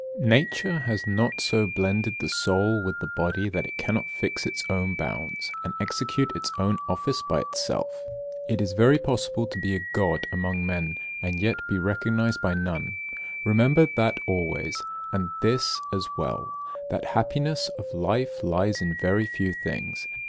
67. Nature has not so blended the soul with the body that it cannot fix its own bounds, and execute its own office by itself. It is very possible to be a God among men, and yet be recognised by none. Remember that always, and this as well, that the happiness of life lies in very few things.